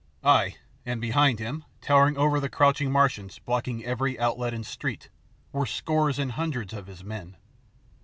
Ay, and behind him, towering over the crouching Martians, blocking every outlet and street, were scores and hundreds of his men.